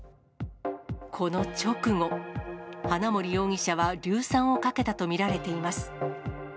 この直後、花森容疑者は硫酸をかけたと見られています。